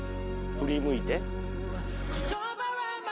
振り向いて。